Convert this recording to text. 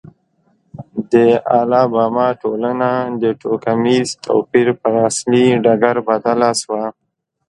د الاباما ټولنه د توکمیز توپیر پر اصلي ډګر بدله شوه.